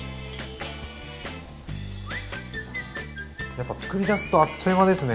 やっぱつくりだすとあっという間ですね。